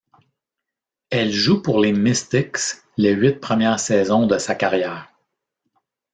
Elle joue pour les Mystics les huit premières saisons de sa carrière.